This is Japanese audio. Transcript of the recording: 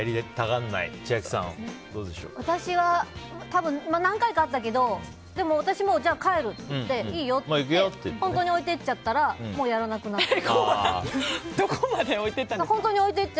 私は何回かあったけど私も、じゃあ帰るって言っていいよって言って本当に置いていっちゃったらもうやらなくなった。